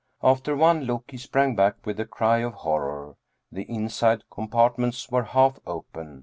After one look, he sprang back with a cry of horror. The inside compartments were half open.